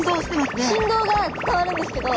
振動が伝わるんですけど。